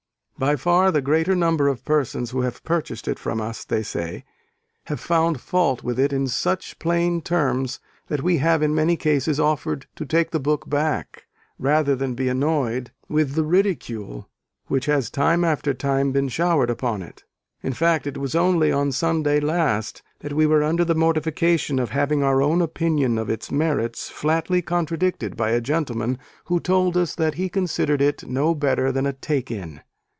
"By far the greater number of persons who have purchased it from us," they say, "have found fault with it in such plain terms, that we have in many cases offered to take the book back, rather than be annoyed with the ridicule which has time after time been showered upon it. In fact, it was only on Sunday last that we were under the mortification of having our own opinion of its merits flatly contradicted by a gentleman who told us that he considered it 'no better than a take in.'"